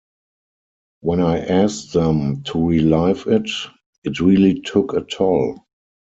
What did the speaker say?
When I asked them to relive it, it really took a toll.